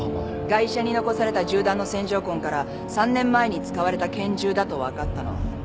ガイ者に残された銃弾の線条痕から３年前に使われた拳銃だと分かったの。